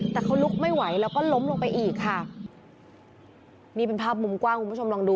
แต่เขาลุกไม่ไหวแล้วก็ล้มลงไปอีกค่ะนี่เป็นภาพมุมกว้างคุณผู้ชมลองดู